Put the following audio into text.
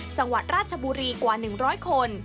จังหวัดราชบุรีกว่า๑๐๐คน